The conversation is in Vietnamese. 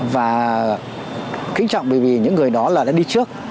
và kính trọng bởi vì những người đó là đã đi trước